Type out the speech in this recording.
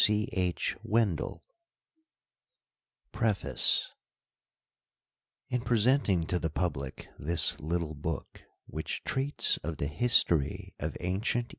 y Google PREFACE, In presenting to the pubKc this little book, which treats bf the history of anciept